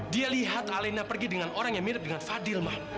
dia lihat alena pergi dengan orang yang mirip dengan fadil mah